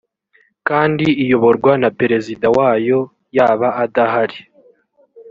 kandi iyoborwa na perezida wayo yaba adahari